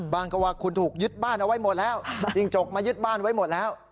ก็ว่าคุณถูกยึดบ้านเอาไว้หมดแล้วจิ้งจกมายึดบ้านไว้หมดแล้ว